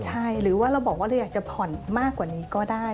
ใช่หรือว่าเราบอกว่าเราอยากจะผ่อนมากกว่านี้ก็ได้